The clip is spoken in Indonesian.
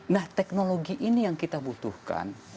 nah teknologi ini yang kita butuhkan